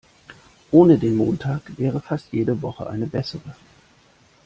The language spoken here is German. Ohne den Montag wäre fast jede Woche eine bessere.